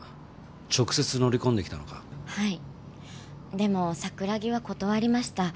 でも桜木は断りました。